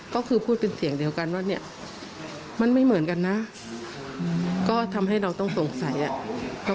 ก็เรียกร้องให้ตำรวจดำเนอคดีให้ถึงที่สุดนะ